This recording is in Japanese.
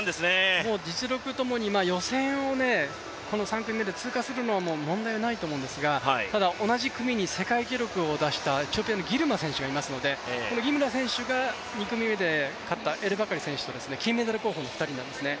実力ともに予選３組を通過するのは問題はないと思うんですが、ただ同じ組に世界記録を出したエチオピアのギルマ選手がいるので、このギルマ選手が２回目で勝った金メダル候補の２人なんですよね。